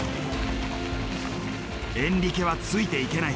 エンリケはついていけない。